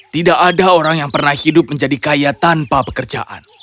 tidak ada orang yang pernah hidup menjadi kaya tanpa pekerjaan